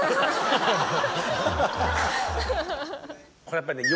これはやっぱりね